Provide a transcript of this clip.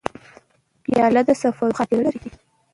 پیاله د سفرونو خاطره لري.